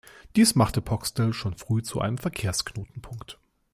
Dies machte Boxtel schon früh zu einem Verkehrsknotenpunkt.